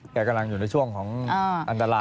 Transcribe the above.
กำลังอยู่ในช่วงของอันตราย